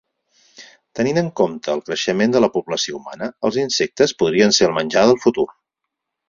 Tenint en compte el creixement de la població humana, els insectes podrien ser el menjar del futur.